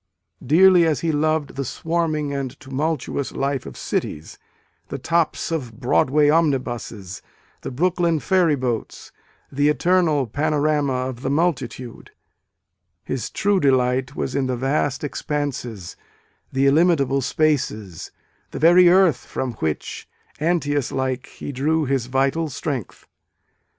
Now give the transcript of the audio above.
Dearly as he loved the "swarming and tumultuous " life of cities, the tops of Broad way omnibuses, the Brooklyn ferry boats, the eternal panorama of the multitude, his true delight was in the vast expanses, the illimitable spaces, the very earth from which, Antseus like, he drew his vital strength.